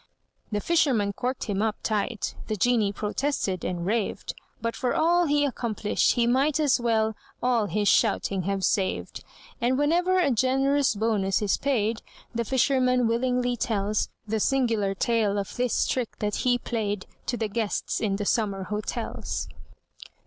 The fisherman corked him up tight: The genie protested and raved, But for all he accomplished, he might As well all his shouting have saved. And, whenever a generous bonus is paid, The fisherman willingly tells The singular tale of this trick that he played, To the guests in the summer hotels.